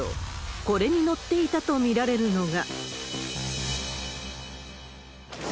これに乗っていたと見られるのが。